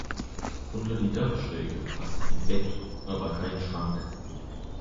Unter die Dachschräge passt ein Bett, aber kein Schrank.